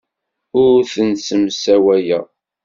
Ur ten-ssemsawayeɣ.